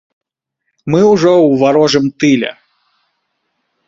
Мы ўжо ў варожым тыле.